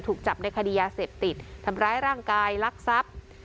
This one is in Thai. ถูกจับในคดียาเสพติดทำร้ายร่างกายลักทรัพย์